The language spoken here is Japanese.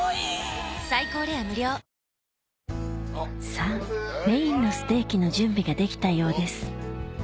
さぁメインのステーキの準備ができたようです